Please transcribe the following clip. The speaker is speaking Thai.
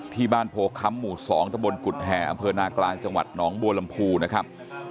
ที่บ้านโพค้ำหมู่๒ตะบนกุฎแห่อำเภอนากลางจังหวัดหนองบัวลำพูนะครับ